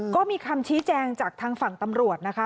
ก็มีคำชี้แจงจากทางฝั่งตำรวจนะคะ